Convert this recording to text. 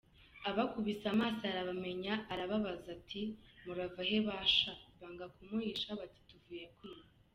Abakubise amaso arabamenya; arababaza ati «Murava he ba sha ?» Banga kumuhisha, bati «Tuvuye kwiba».